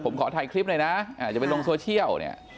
ผมขอถ่ายคลิปด้วยนะเวลาจะเป็นรวมโซเชียล